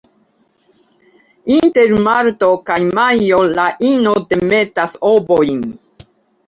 Inter marto kaj majo la ino demetas ovojn.